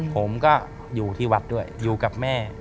ผมก็อยู่ที่วัดด้วยอยู่กับแม่